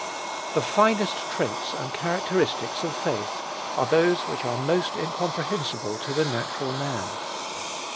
The finest traits and characteristics of faith are those which are most incomprehensible to the natural man.